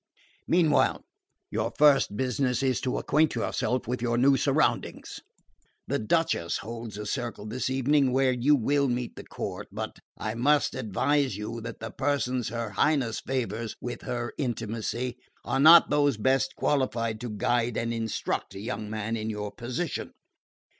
Meanwhile your first business is to acquaint yourself with your new surroundings. The Duchess holds a circle this evening, where you will meet the court; but I must advise you that the persons her Highness favours with her intimacy are not those best qualified to guide and instruct a young man in your position.